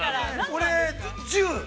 ◆俺１０。